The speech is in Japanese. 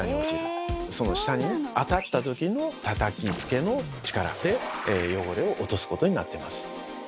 その下に当たった時のたたきつけの力で汚れを落とすことになってます。